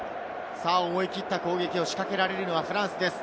思い切った攻撃を仕掛けられるのはフランスです。